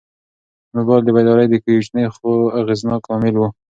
موبایل د بیدارۍ یو کوچنی خو اغېزناک لامل و.